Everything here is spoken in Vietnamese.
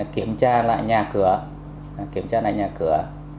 kiểm tra lại nhà cửa kiểm tra lại nhà cửa